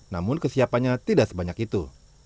namun kesiapannya tidak sebanyak itu